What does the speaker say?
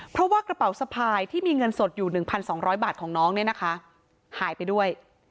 เพราะว่ากระเป๋าสะพายที่มีเงินสดอยู่๑๒๐๐บาทของน้องเนี่ยนะคะหายไปด้วย